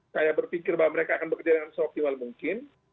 saya berpikir bahwa mereka akan bekerja dengan seoptimal mungkin